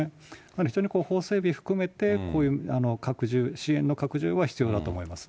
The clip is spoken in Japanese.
なので、非常に法整備含めて、こういう支援の拡充は必要だと思います。